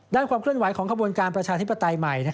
ความเคลื่อนไหวของขบวนการประชาธิปไตยใหม่